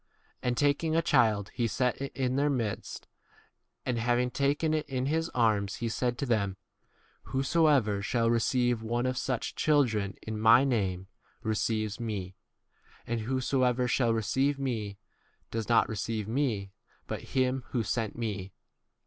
36 And taking a child he set it in their midst, and having taken it 8 7 in his arms he said to them, Who soever shall receive one of such children in my name, receives me ; and whosoever shall receive me, does not reoeive me, but him who 38 sent me.